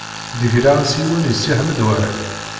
Ḍeyyreɣ-as yiwen i Si Ḥmed Waɛli.